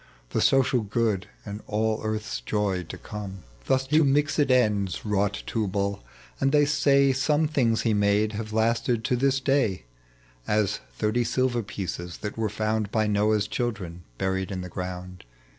The social good, and all earth's joy to come. Thus to mixed ends wrought Tubal ; and they say, Some things he made have lasted to this day ; As, thirty silver pieces that were found By Noah's children buried in the ground.